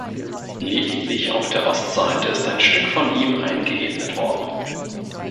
Lediglich auf der Ostseite ist ein Stück von ihm eingeebnet worden.